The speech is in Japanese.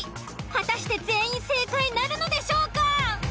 果たして全員正解なるのでしょうか？